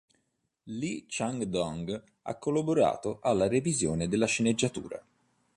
Lee Chang-dong ha collaborato alla revisione della sceneggiatura.